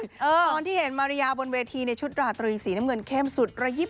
ตอนที่เห็นมายรี่ยาในชุดราตรีสีน้ำเงินเค็มสุดระยิบระยับ